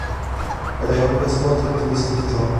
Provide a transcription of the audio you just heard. But I always wanted to listen to John.